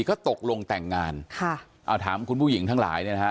ก็ตกลงแต่งงานค่ะเอาถามคุณผู้หญิงทั้งหลายเนี่ยนะฮะ